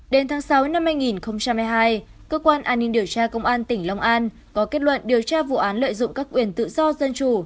đến tháng sáu năm hai nghìn hai mươi hai cơ quan an ninh điều tra công an tỉnh long an có kết luận điều tra vụ án lợi dụng các quyền tự do dân chủ